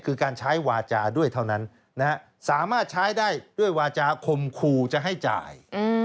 คือการใช้วาจาด้วยเท่านั้นสามารถใช้ได้ด้วยวาจาคมคู่จะให้จ่าย